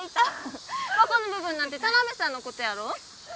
ここの部分なんて田辺さんのことやろ？